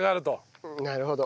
なるほど。